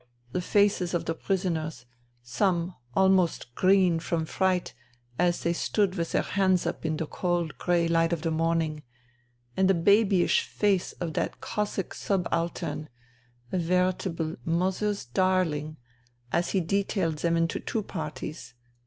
The faces of the prisoners, some almost green from fright, as they stood with their hands up in the cold grey light of the morning, and the babyish face of that Cossack subaltern— a veritable mother's darhng — as he detailed them into two parties.